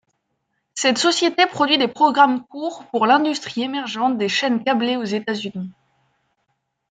Cette société produit des programmes courts pour l’industrie émergente des chaînes câblées aux États-Unis.